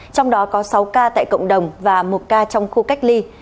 trong đó có sáu ca tại cộng đồng và một ca trong khu cách ly